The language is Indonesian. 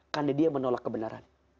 karena dia menolak kebenaran